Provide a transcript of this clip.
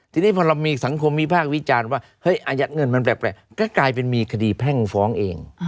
ทีนี้พอเรามีสังคมวิพากษ์วิจารณ์ว่าเฮ้ยอายัดเงินมันแปลกก็กลายเป็นมีคดีแพ่งฟ้องเอง